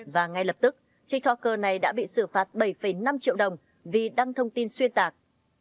và ngay lập tức tiktoker này đã bị xử phạt bảy năm triệu đồng vì đăng thông tin xuyên tạc